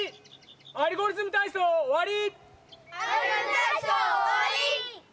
「アルゴリズムたいそう」おわり！